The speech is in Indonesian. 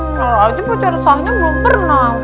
rara aja pacar sahnya belum pernah